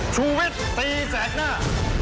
ชุวิตตีแสดงหน้า